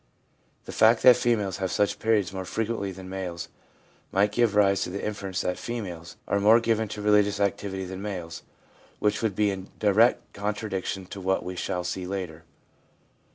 The fact that females have such periods more frequently than males might give rise to the inference that females are more given to religious activity than males, which would be in direct contra diction to what we shall see later.